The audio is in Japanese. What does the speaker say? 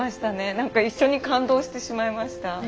何か一緒に感動してしまいました。